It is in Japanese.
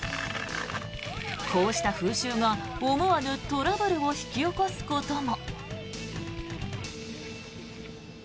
こうした風習が思わぬトラブルを引き起こすことも。